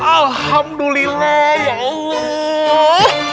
alhamdulillah ya allah